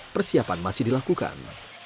persiapan masih dilakukan